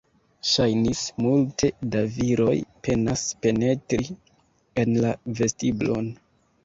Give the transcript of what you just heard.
Ŝajnis, multe da viroj penas penetri en la vestiblon.